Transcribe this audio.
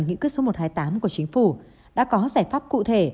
những cước số một trăm hai mươi tám của chính phủ đã có giải pháp cụ thể